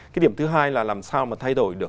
cái điểm thứ hai là làm sao mà thay đổi được